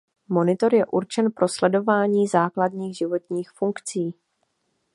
Monitor je určen pro sledování základních životních funkcí.